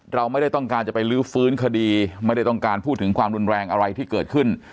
เราไม่ได้ต้องการจะไปลื้อฟื้นคดีไม่ได้ต้องการพูดถึงความรุนแรงอะไรที่เกิดขึ้น